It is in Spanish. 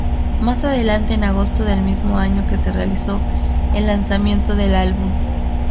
Mas adelante en agosto del mismo año que se realizó el lanzamiento del álbum.